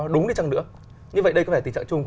đúng đi chăng nữa như vậy đây có phải là tình trạng chung của